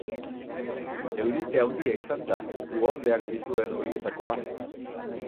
Eurite handia izan da, uholdeak dituen horietakoa.